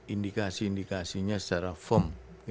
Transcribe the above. indikasi indikasinya secara firm